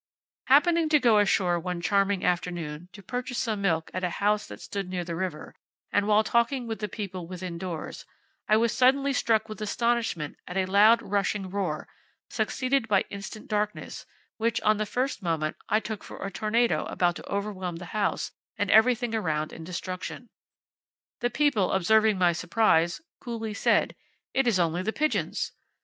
"Happening to go ashore one charming afternoon, to purchase some milk at a house that stood near the river, and while talking with the people within doors, I was suddenly struck with astonishment at a loud rushing roar, succeeded by instant darkness, which, on the first moment, I took for a tornado about to overwhelm the house and every thing around in destruction. The people observing my surprise, coolly said, 'It is only the pigeons!'